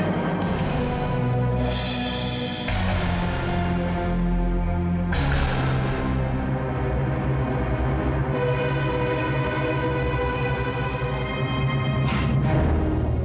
atau memang dari awal saya salah orang